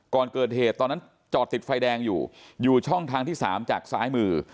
ก่อนเกิดเหตุตอนนั้นจอดติดไฟแดงอยู่อยู่ช่องทางที่๓จากซ้ายมือ